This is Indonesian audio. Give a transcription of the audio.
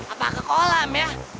apa ke kolam ya